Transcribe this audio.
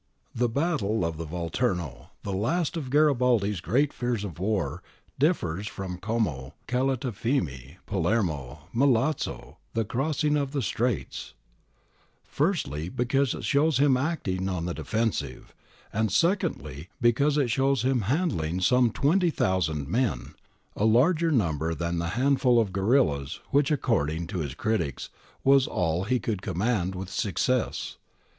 '"^ The battle of the Volturno, the last of Garibaldi's great feats of war, differs from Como, Calatafimi, Palermo, Milazzo, and the Crossing of the Straits, firstly, because it shows him acting on the defensive, and secondly, because it shows him handling some 20,000 men, a larger number than the handful of guerillas which according to his critics was all he could command with success.